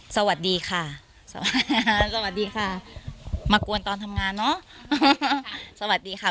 สวัสดีค่ะสวัสดีค่ะสวัสดีค่ะมากวนตอนทำงานเนอะสวัสดีค่ะ